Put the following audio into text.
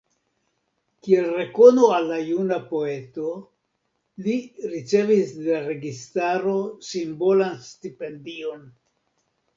Kiel rekono al la juna poeto, li ricevis de la registaro simbolan stipendion.